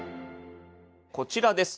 こちらです。